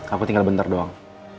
aku tinggal bentar doang